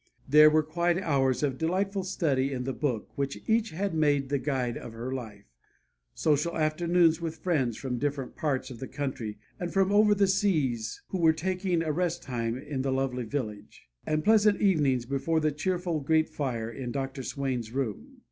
There were quiet hours of delightful study in the Book which each had made the guide of her life; social afternoons with friends from different parts of the country and from over the seas who were taking a rest time in the lovely village; and pleasant evenings before the cheerful grate fire in Dr. Swain's room.